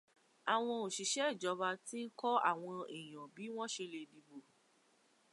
Àwọn òṣìṣẹ́ ìjọba ti ń kọ́ àwọn èèyàn bí wọ́n ṣe lè dìbò